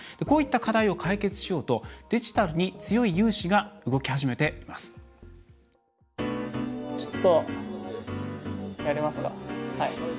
こういった課題を解決しようとデジタルに強い有志が動き始めています。